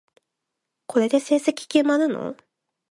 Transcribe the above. これで成績決まるの？